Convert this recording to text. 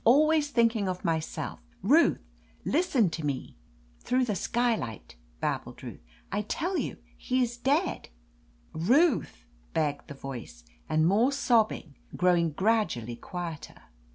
"Al ways thinking of myself I Ruth! Listen to pe!" ' "Through the skylight!" babbled Ruth. "I tell you, he is dead !" "Ruth !" begged the voice, and more sob bing, growing gradually quieter.